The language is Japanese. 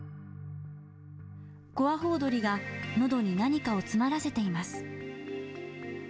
コアホウドリがのどに何かを詰まらせています。